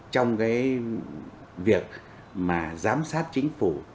trong cái việc mà giám sát chính phủ